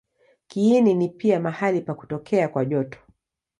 Kiini ni pia mahali pa kutokea kwa joto.